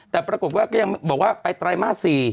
แต่ปรากฏว่าก็ยังบอกว่าไปไตรมาส๔